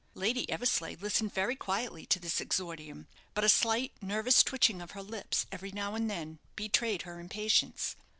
Lady Eversleigh listened very quietly to this exordium; but a slight, nervous twitching of her lips every now and then betrayed her impatience.